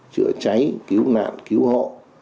chữa cháy cứu nạn cứu hộ